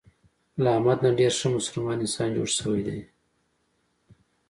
له احمد نه ډېر ښه مسلمان انسان جوړ شوی دی.